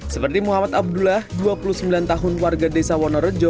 seperti muhammad abdullah dua puluh sembilan tahun warga desa wonorejo